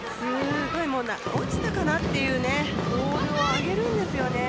落ちたかなというボールを上げるんですよね。